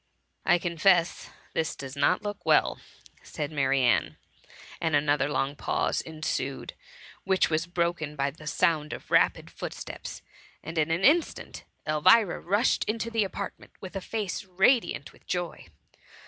*"^* I confess this does not look well,^ said Ma* rianne, and another long pause ensued, which was broken by the sound of rapid footsteps, and in an instant Elvira rushed into the apartment with a face radiant with joy.